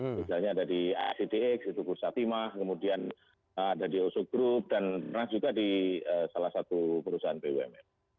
misalnya ada di acdx itu pusat timah kemudian ada di osok group dan pernah juga di salah satu perusahaan pwm